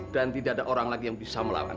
dan tidak ada orang lagi yang bisa melawan